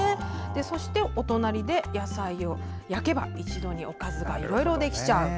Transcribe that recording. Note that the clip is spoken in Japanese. そして、お隣で野菜を焼けば一度におかずがいろいろできちゃう。